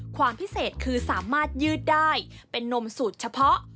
ความพิเศษคือสามารถยืดได้เป็นนมสูตรเฉพาะ